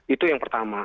itu yang pertama